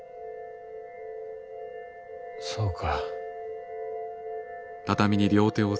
そうか。